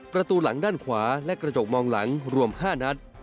ประตูหลังด้านขวาและกระจกมองหลังรวม๕นัด